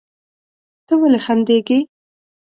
ته ولې خندېږې؟